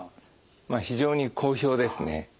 まあ非常に好評ですね。